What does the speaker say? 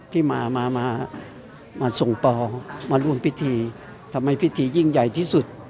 ที่มามาส่งปอมาร่วมพิธีทำให้พิธียิ่งใหญ่ที่สุด